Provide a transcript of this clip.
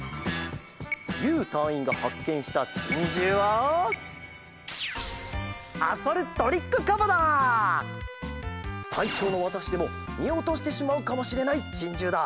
ゆうたいいんがはっけんしたチンジューはたいちょうのわたしでもみおとしてしまうかもしれないチンジューだ。